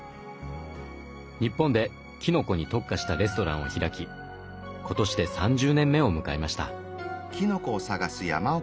日本できのこに特化したレストランを開き今年で３０年目を迎えました。